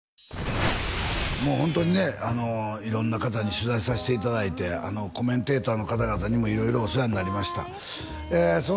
もうホントにねあの色んな方に取材させていただいてコメンテーターの方々にも色々お世話になりましたえー